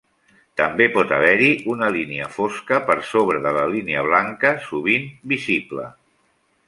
També pot haver-hi una línia fosca per sobre de la línia blanca, sovint visible.